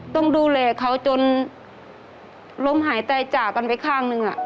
ต้องดูแลเขาจนล้มหายใจจากกันไปข้างหนึ่ง